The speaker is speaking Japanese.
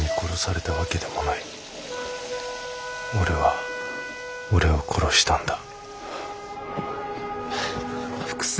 俺は俺を殺したんだ。